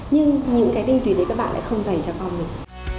nhưng những cái tinh túy đấy các bạn lại không dành cho con mình